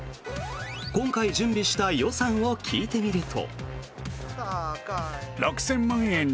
今回準備した予算を聞いてみると。